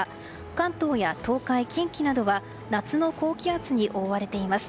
関東や東海、近畿などは夏の高気圧に覆われています。